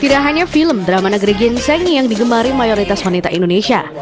tidak hanya film drama negeri ginsengi yang digemari mayoritas wanita indonesia